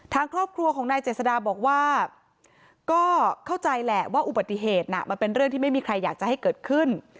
ทางครอบครัวของนายเจษดาบอกว่าก็เข้าใจแหละว่าอุบัติเหตุน่ะมันเป็นเรื่องที่ไม่มีใครอยากจะให้เกิดขึ้น